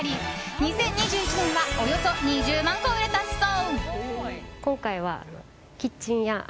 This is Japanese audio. ２０２１年はおよそ２０万個売れたそう。